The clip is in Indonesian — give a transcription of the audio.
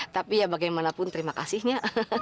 tapi ya bagaimanapun terima kasihnya